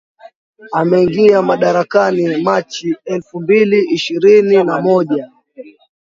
Ameingia madarakani Machi elfu mbili ishirini na moja